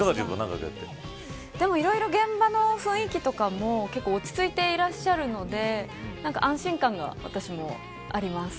いろいろ現場の雰囲気とかも落ち着いていらっしゃるので安心感が私もあります。